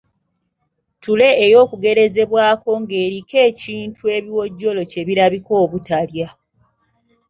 Ttule ey’okugerezebwako ng'eriko ekintu ebiwojjolo kye birabika obutalya.